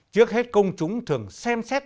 trước hết công chúng thường xem xét